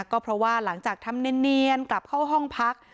ก็เพราะว่าหลังจากทำเนียนกลับเข้าห้องพัก